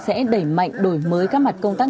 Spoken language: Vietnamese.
sẽ đẩy mạnh đổi mới các mặt công tác